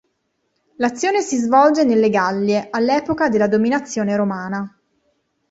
L'azione si svolge nelle Gallie, all'epoca della dominazione romana.